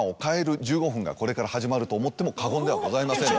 これから始まると思っても過言ではございません。